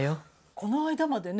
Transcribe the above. この間までね